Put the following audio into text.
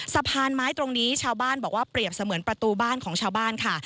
สะพานไม้ตรงนี้ชาวบ้านบอกว่าเปรียบเสมือนประตูบ้านของชาวบ้านค่ะ